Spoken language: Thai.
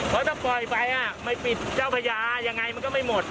เพราะถ้าปล่อยไปไม่ปิดเจ้าพญายังไงมันก็ไม่หมด